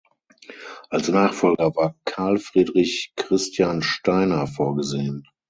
Als Nachfolger war Carl Friedrich Christian Steiner vorgesehen.